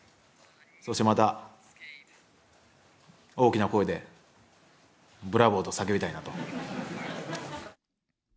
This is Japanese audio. そしてまた、大きな声で、ブラボーと叫びたいなと。